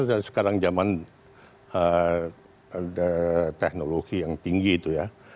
sekarang zaman teknologi yang tinggi itu ya